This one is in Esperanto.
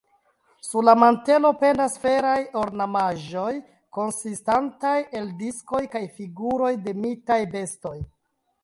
Sur la mantelo pendas feraj ornamaĵoj konsistantaj el diskoj kaj figuroj de mitaj bestoj.